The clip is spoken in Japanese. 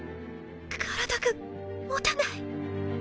体が持たない